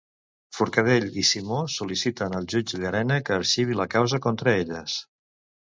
Forcadell i Simó sol·liciten al jutge Llarena que arxivi la causa contra elles.